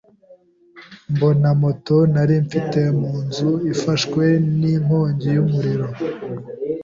mbona moto nari mfite mu nzu ifashwe n’inkongi y’umuriro,